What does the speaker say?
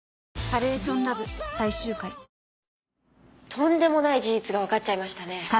とんでもない事実がわかっちゃいましたね。